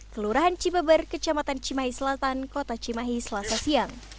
kelurahan cibeber kecamatan cimahi selatan kota cimahi selasa siang